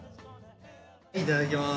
いただきます。